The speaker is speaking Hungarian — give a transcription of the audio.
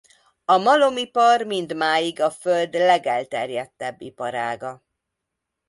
A malomipar mindmáig a föld legelterjedtebb iparága.